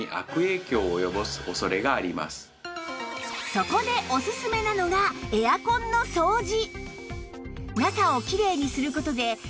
そこでおすすめなのがエアコンの掃除